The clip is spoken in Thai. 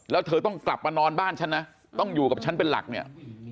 แล้วเธอต้องกลับมานอนบ้านฉันนะต้องอยู่กับฉันเป็นหลักเนี่ย